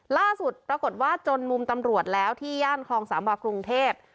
ล่าสุดปรากฏว่าจนมุมตำรวจแล้วที่ย่านคลองสามวากรุงเทพ